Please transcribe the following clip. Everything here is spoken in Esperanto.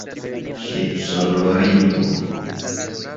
Ŝipsonorilo.